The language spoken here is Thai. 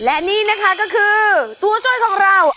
และนี่นะคะก็คือตัวช่วยของเรา